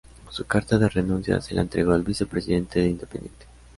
Su carta de renuncia se la entregó al Vicepresidente de Independiente.